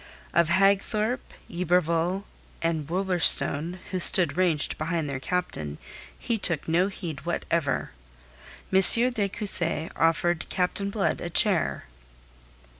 Of Hagthorpe, Yberville, and Wolverstone who stood ranged behind their captain, he took no heed whatever. M. de Cussy offered Captain Blood a chair.